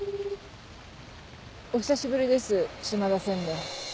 お久しぶりです島田専務。